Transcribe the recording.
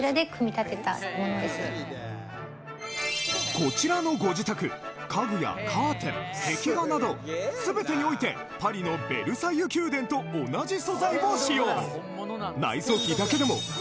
こちらのご自宅家具やカーテン壁画など全てにおいてパリのベルサイユ宮殿と同じ素材を使用まじ！？